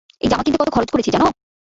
এই জামা কিনতে কতো খরচ করেছি জানো?